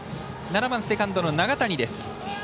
７番セカンドの永谷です。